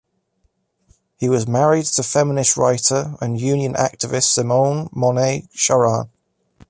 He was married to feminist writer and union activist Simonne Monet-Chartrand.